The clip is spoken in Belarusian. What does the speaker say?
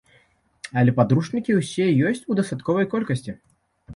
Але падручнікі ўсе ёсць у дастатковай колькасці.